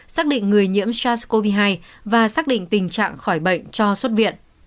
xác định người nhiễm sars cov hai và xác định tình trạng khỏi bệnh cho xuất viện